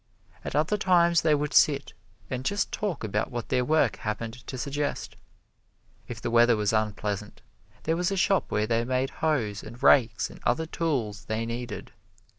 At other times they would sit and just talk about what their work happened to suggest. If the weather was unpleasant, there was a shop where they made hoes and rakes and other tools they needed.